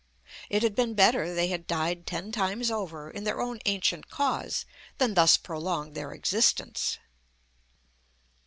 It had been better they had died ten times over, in their own ancient cause, than thus prolonged their existence.